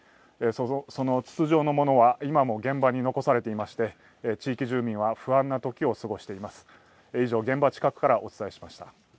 その筒状のものは今も現場に残されていまして、地域住民は不安な時を過ごしています。